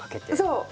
そう！